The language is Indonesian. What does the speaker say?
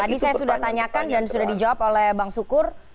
tadi saya sudah tanyakan dan sudah dijawab oleh bang sukur